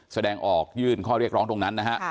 แสดงออกยื่นข้อเรียกร้องตรงนั้นนะฮะ